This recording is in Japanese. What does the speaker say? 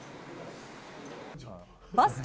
バスケ